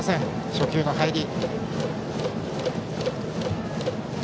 初球の入り。